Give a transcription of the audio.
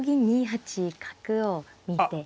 ２八角を見て。